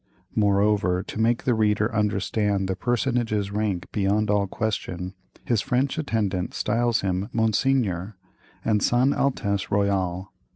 Moreover, to make the reader understand the personage's rank beyond all question, his French attendant styles him "Monseigneur," and "Son Altesse Royal."